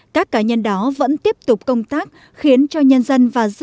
các cá nhân đó vẫn tiếp tục công tác khiến cho nhân dân và dư luận có hiểu